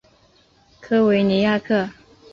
科维尼亚克。